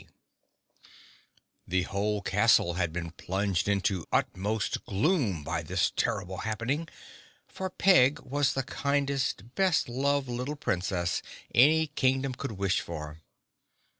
G." The whole castle had been plunged into utmost gloom by this terrible happening, for Peg was the kindliest, best loved little Princess any Kingdom could wish for.